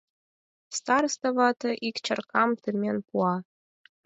Староста вате ик чаркам темен пуа.